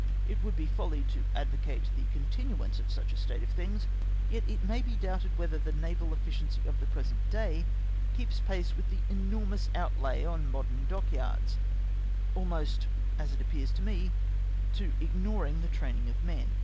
It would be folly to advocate the continuance of such a state of things, yet it may be doubted whether the naval efiiciency 60 MEN BEFORE DOCKYARDS. of the present day keeps pace with the enormous out lay on modern dockyards, ahnost (as it appears to me) to ignoring the training of men.